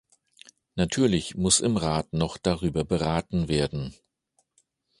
Natürlich muss im Rat noch darüber beraten werden.